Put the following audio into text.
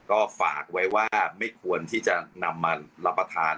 ก็ฝากไว้ว่าไม่ควรที่จะนำมารับประทาน